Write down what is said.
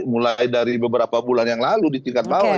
mulai dari beberapa bulan yang lalu di tingkat bawah